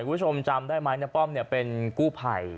คุณผู้ชมจำได้ไหมนับป้อมเนี่ยเป็นกู้ไผ่